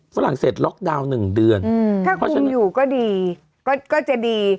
ฝรั่งเศสล็อกดาวน์หนึ่งเดือนอืมถ้าคุณอยู่ก็ดีก็ก็จะดี